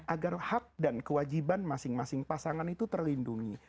agar hak dan kewajiban masing masing pasangan itu terlindungi